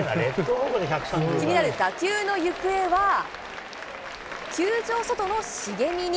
気になる打球の行方は、球場外の茂みに。